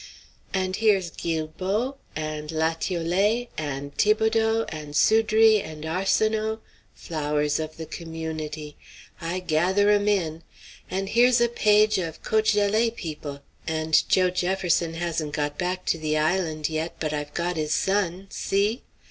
"And here's Guilbeau, and Latiolais, and Thibodeaux, and Soudrie, and Arcenaux flowers of the community 'I gather them in,' and here's a page of Côte Gelée people, and Joe Jefferson hadn't got back to the Island yet, but I've got his son; see?